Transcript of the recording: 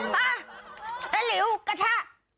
หรือกระทะ